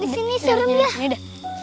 disini serem dia